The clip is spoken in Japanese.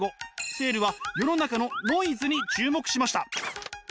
セールは世の中のノイズに注目しました。